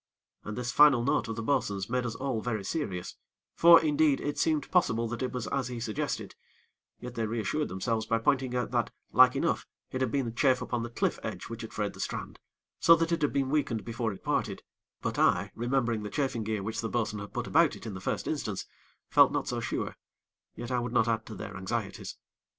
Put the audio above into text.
And this final note of the bo'sun's made us all very serious; for, indeed, it seemed possible that it was as he suggested; yet they reassured themselves by pointing out that, like enough, it had been the chafe upon the cliff edge which had frayed the strand, so that it had been weakened before it parted; but I, remembering the chafing gear which the bo'sun had put about it in the first instance, felt not so sure; yet I would not add to their anxieties.